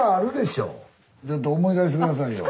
ちょっと思い出して下さいよ。